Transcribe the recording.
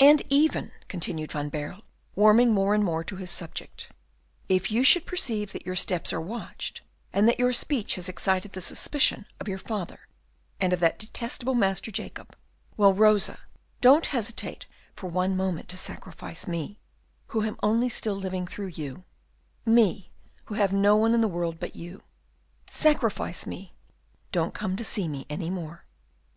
"And even," continued Van Baerle, warming more and more with his subject, "if you should perceive that your steps are watched, and that your speech has excited the suspicion of your father and of that detestable Master Jacob, well, Rosa, don't hesitate for one moment to sacrifice me, who am only still living through you, me, who have no one in the world but you; sacrifice me, don't come to see me any more."